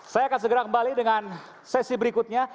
saya akan segera kembali dengan sesi berikutnya